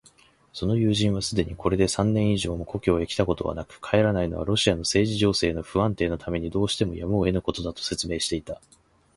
その友人はすでにこれで三年以上も故郷へきたことはなく、帰らないのはロシアの政治情勢の不安定のためにどうしてもやむをえぬことだ、と説明していた。